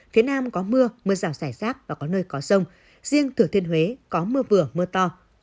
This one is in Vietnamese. phía nam có mưa mưa rào rải rác và có nơi có rông riêng thừa thiên huế có mưa vừa mưa to